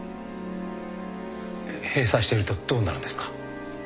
閉鎖してるとどうなるんですか？